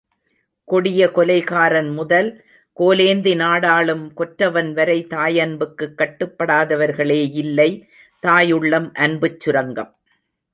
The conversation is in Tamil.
கொடிய கொலைகாரன் முதல் கோலேந்தி நாடாளும் கொற்றவன்வரை தாயன்புக்குக் கட்டுப்படாதவர்களேயில்லை, தாய் உள்ளம், அன்புச் சுரங்கம்.